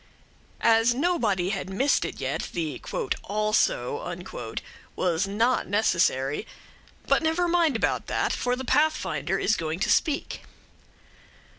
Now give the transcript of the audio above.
As nobody had missed it yet, the "also" was not necessary; but never mind about that, for the Pathfinder is going to speak.